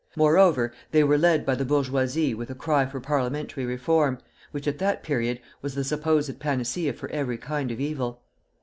Moreover, they were led by the bourgeoisie with a cry for parliamentary reform, which at that period was the supposed panacea for every kind of evil.